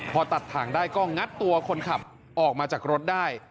พอตัดถังได้ก็งัดตัวคนขับออกมาจากรถได้